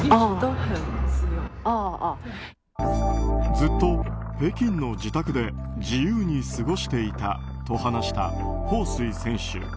ずっと北京の自宅で自由に過ごしていたと話したホウ・スイ選手。